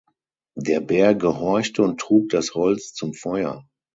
Der Bär gehorchte und trug das Holz zum Feuer.